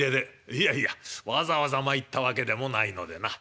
「いやいやわざわざ参ったわけでもないのでな。